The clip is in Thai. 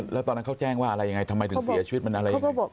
แล้วตอนนั้นเขาแจ้งว่าอะไรยังไงทำไมถึงเสียชีวิตมันอะไรยังไง